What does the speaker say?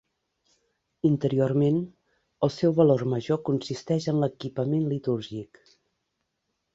Interiorment, el seu valor major consisteix en l'equipament litúrgic.